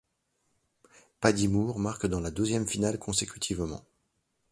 Paddy Moore marque dans la deuxième finale consécutivement.